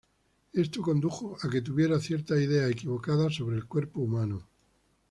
Esto condujo a que tuviera ciertas ideas equivocadas sobre el cuerpo humano.